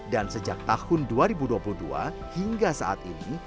dan sejak tahun dua ribu dua puluh dua hingga saat ini